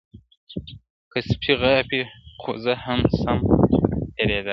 که سپی غاپي خو زه هم سم هرېدلای-